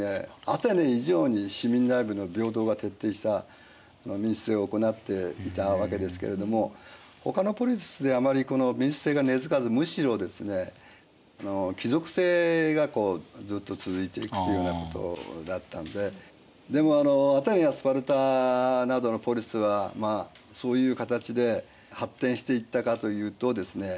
アテネ以上に市民内部の平等が徹底した民主政を行っていたわけですけれどもほかのポリスではあまりこの民主政が根づかずむしろですね貴族政がずっと続いていくというようなことだったんででもアテネやスパルタなどのポリスはそういう形で発展していったかというとですね